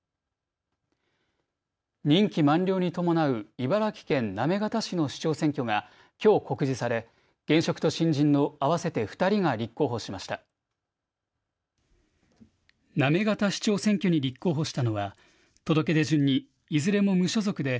任期満了に伴う茨城県行方市の市長選挙がきょう告示され現職と新人の合わせて２人が立候補しました。